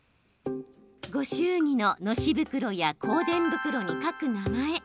ご祝儀の、のし袋や香典袋に書く名前。